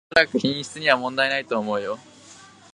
おそらく品質には問題ないと思うよ